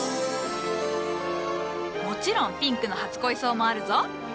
もちろんピンクの初恋草もあるぞ。